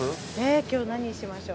今日何しましょう。